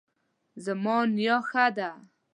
زما نیا ښه ده